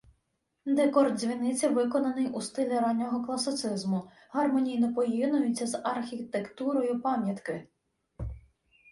Декор дзвіниці виконаний у стилі раннього класицизму, гармонійно поєднується з архітектурою пам'ятки.